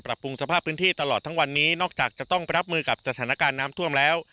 ปรุงสภาพพื้นที่ตลอดทั้งวันนี้นอกจากจะต้องรับมือกับสถานการณ์น้ำท่วมแล้ว